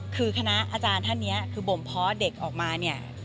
คือคณะอาจารย์ท่านนี้คือบ่มเพาะเด็กออกมาเนี่ย